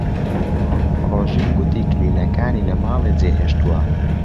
ڕۆژین گوتی کلیلەکانی لە ماڵێ جێهێشتووە.